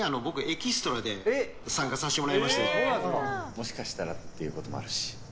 もしかしたらっていうこともあるし。